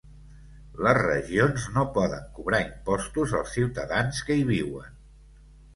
Les regions no poden cobrar impostos als ciutadans que hi viuen.